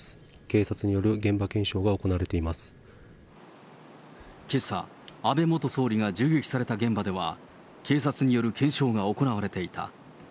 警察による現場検証が行われていけさ、安倍元総理が銃撃された現場では、警察による検証が行われていた。